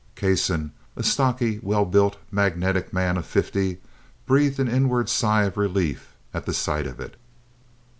Kasson, a stocky, well built, magnetic man of fifty, breathed an inward sigh of relief at the sight of it.